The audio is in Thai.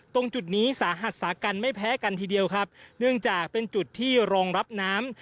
ตรงจุดนี้สาหัสสากันไม่แพ้กันทีเดียวครับเนื่องจากเป็นจุดที่รองรับน้ำ